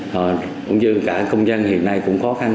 rồi cũng như cả công dân hiện nay cũng khó khăn